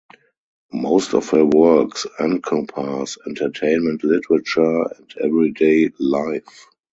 Most of her works encompass entertainment literature and everyday life.